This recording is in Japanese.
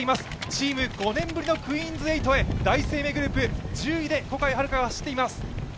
チーム５年ぶりのクイーンズ８へ、第一生命グループ１０位で小海遥が走っています。